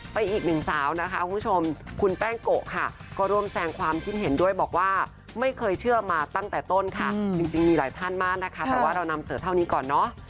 อีกหนึ่งสาวนะคะคุณผู้ชมคุณแป้งโกะค่ะก็ร่วมแสงความคิดเห็นด้วยบอกว่าไม่เคยเชื่อมาตั้งแต่ต้นค่ะจริงมีหลายท่านมากนะคะแต่ว่าเรานำเสนอเท่านี้ก่อนเนอะ